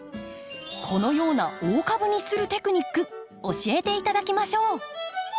このような大株にするテクニック教えて頂きましょう。